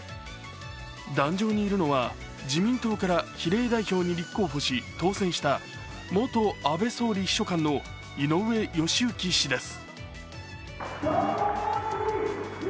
壇上にいるのは自民党から比例代表に立候補し、当選した元安倍総理秘書官の井上義行氏です。